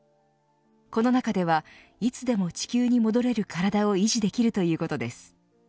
この中ではいつでも地球に戻れる体を維持できるということです。